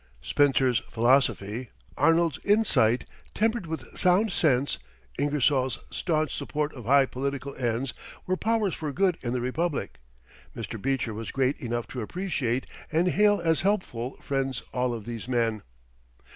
Spencer's philosophy, Arnold's insight tempered with sound sense, Ingersoll's staunch support of high political ends were powers for good in the Republic. Mr. Beecher was great enough to appreciate and hail as helpful friends all of these men.